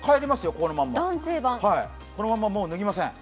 このままもう脱ぎません。